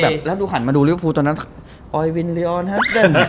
แบบแล้วดูขันมาดูริมอิทธิ์ภูมิตอนนั้นไอวินเรอร์ลฮัสเต็มฮ่า